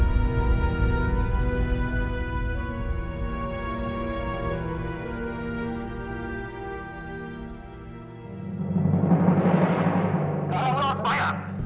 sekarang lu harus bayar